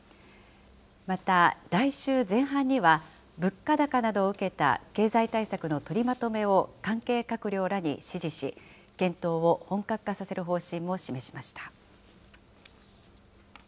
また、来週前半には、物価高などを受けた経済対策の取りまとめを関係閣僚らに指示し、検討を本格化させる方針も示しました。